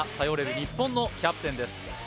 日本のキャプテンです